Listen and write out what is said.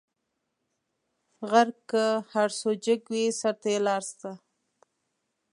غر که هر څو جګ وي؛ سر ته یې لار سته.